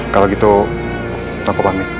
kalau gitu aku pamit